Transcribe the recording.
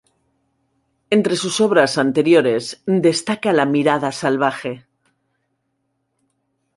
Entre sus obras anteriores, destaca "La Mirada Salvaje.